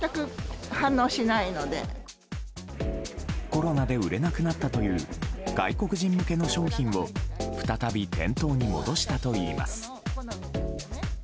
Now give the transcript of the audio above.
コロナで売れなくなったという外国人向けの商品を再び店頭に戻したといいます。